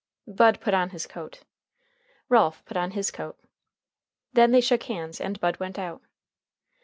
Bud put on his coat. Ralph put on his coat. Then they shook hands and Bud went out.